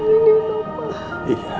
kamu harus berjuang sayang